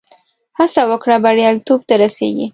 هڅه وکړه، بریالیتوب ته رسېږې.